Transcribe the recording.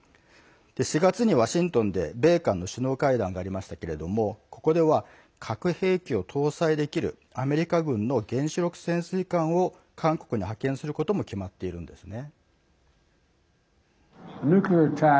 ４月にワシントンで米韓の首脳会談がありましたけれどもここでは核兵器を搭載できるアメリカ軍の原子力潜水艦を韓国に派遣することも決まっているんですね。